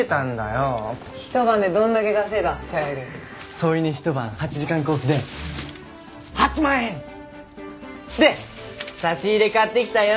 添い寝ひと晩８時間コースで８万円！で差し入れ買ってきたよ